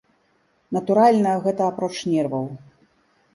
Натуральна, гэта апроч нерваў.